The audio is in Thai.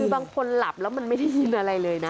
คือบางคนหลับแล้วมันไม่ได้ยินอะไรเลยนะ